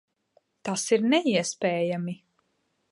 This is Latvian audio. Tas ir neiespējami!